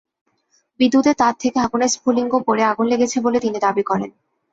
বিদ্যুতের তার থেকে আগুনের স্ফুলিঙ্গ পড়ে আগুন লেগেছে বলে তিনি দাবি করেন।